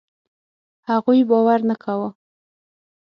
هغوی باور نه کاوه.